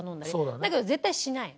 だけど絶対しないの。